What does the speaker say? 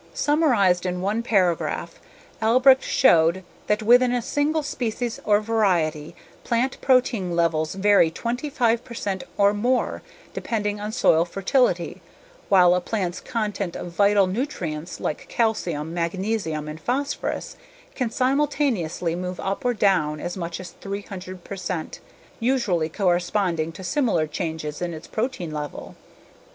Summarized in one paragraph, Albrecht showed that within a single species or variety, plant protein levels vary 25 percent or more depending on soil fertility, while a plant's content of vital nutrients like calcium, magnesium, and phosphorus can simultaneously move up or down as much as 300 percent, usually corresponding to similar changes in its protein level.